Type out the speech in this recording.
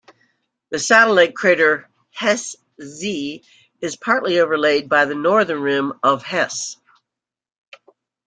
The satellite crater Hess Z is partly overlaid by the northern rim of Hess.